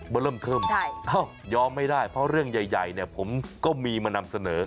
เริ่มเทิมยอมไม่ได้เพราะเรื่องใหญ่ผมก็มีมานำเสนอ